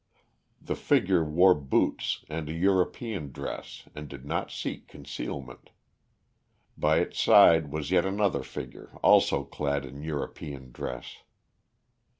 The figure wore boots and a European dress and did not seek concealment. By its side was yet another figure also clad in European dress.